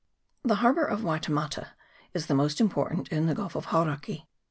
The harbour of Waitemata is the most important in the Gulf of Hauraki.